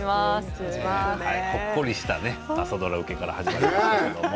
ほっこりした朝ドラ受けから始まりました。